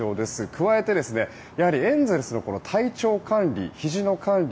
加えて、エンゼルスの体調管理ひじの管理